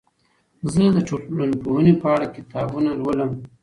زه د ټولنپوهنې په اړه کتابونه لولم.